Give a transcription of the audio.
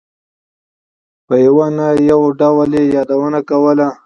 په یوه نه یو ډول یې یادونه کوله.